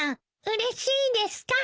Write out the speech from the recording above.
うれしいですか？